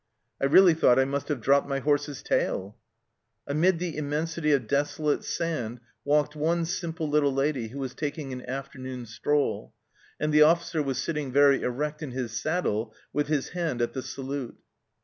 " I really thought I must have dropped my horse's tail !" Amid the immensity of desolate sand walked one simple little lady who was taking an afternoon stroll, and the officer was sitting very erect in his saddle with his hand at the salute.